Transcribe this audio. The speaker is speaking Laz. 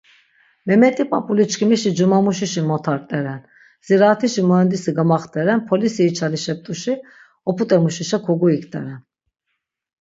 Memeti p̆ap̆uliçkimişi cumamuşişi mota rt̆eren, ziraatişi muxendisi gamaxt̆eren, P̆olis içalişept̆uşi op̆ut̆emuşişa koguikt̆eren.